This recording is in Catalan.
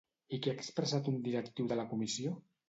I què ha expressat un directiu de la Comissió?